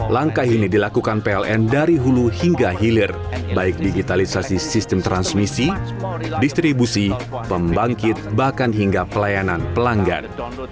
langkah ini dilakukan pln dari hulu hingga hilir baik digitalisasi sistem transmisi distribusi pembangkit bahkan hingga pelayanan pelanggan